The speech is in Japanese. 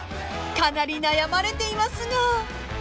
かなり悩まれていますが］